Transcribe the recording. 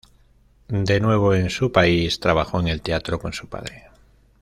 De nuevo en su país, trabajó en el teatro con su padre.